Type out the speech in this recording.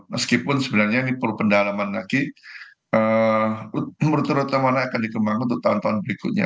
meskipun sebenarnya ini perlu pendalaman lagi rute rute mana akan dikembangkan untuk tahun tahun berikutnya